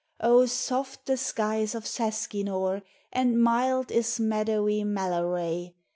Oh, soft the skies of Seskinore, And mild is meadowy Mellaray.